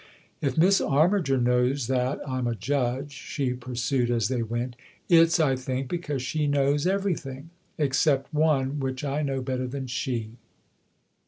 " If Miss Armiger knows that I'm a judge," she pursued as they went, " it's, I think, because she knows everything except one, which I know better than she."